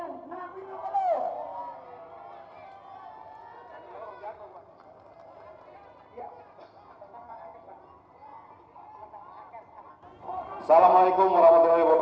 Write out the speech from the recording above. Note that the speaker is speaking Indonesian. assalamu alaikum warahmatullahi wabarakatuh